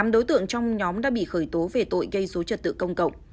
tám đối tượng trong nhóm đã bị khởi tố về tội gây dối trật tự công cộng